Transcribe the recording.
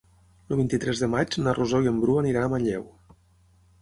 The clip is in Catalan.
El vint-i-tres de maig na Rosó i en Bru aniran a Manlleu.